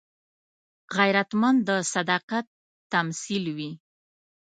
غیرتمند د صداقت تمثیل وي